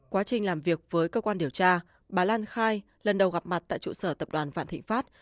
quá trình làm việc với cơ quan điều tra bà lan khai lần đầu gặp mặt tại trụ sở tập đoàn vạn thịnh pháp